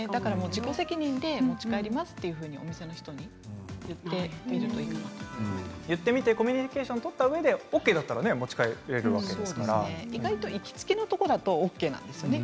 自己責任で持ち帰りますとお店の人に言ってみると言ってみてコミュニケーション取ってみてＯＫだったら意外と行きつけのところだとＯＫなんですよね